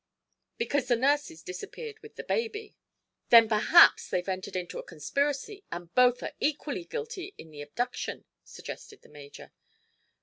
"Because the nurses disappeared with the baby." "Then perhaps they've entered into a conspiracy, and both are equally guilty in the abduction," suggested the major.